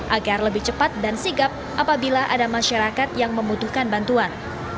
agar lebih cepat dan sigap apabila ada masyarakat yang membutuhkan bantuan